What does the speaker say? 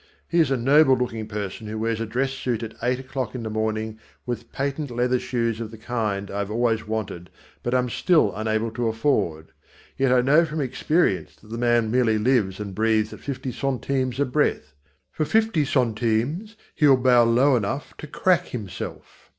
He is a noble looking person who wears a dress suit at eight o'clock in the morning with patent leather shoes of the kind that I have always wanted but am still unable to afford. Yet I know from experience that the man merely lives and breathes at fifty centimes a breath. For fifty centimes he'll bow low enough to crack himself.